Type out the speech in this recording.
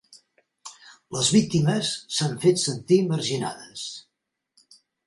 Les víctimes s"han fet sentir marginades.